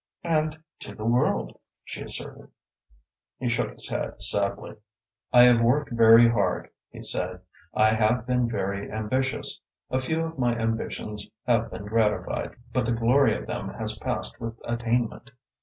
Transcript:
"And to the world," she asserted. He shook his head sadly. "I have worked very hard," he said. "I have been very ambitious. A few of my ambitions have been gratified, but the glory of them has passed with attainment.